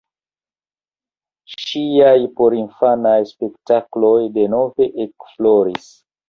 Ŝiaj porinfanaj spektakloj denove ekfloris.